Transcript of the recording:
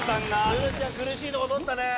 鶴ちゃん苦しいとこ取ったね。